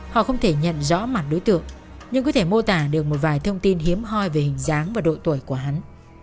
họ không thể nhận rõ mặt đối tượng nhưng có thể mô tả được một vài thông tin hiếm hoi về hình dáng và độ tuổi của hắn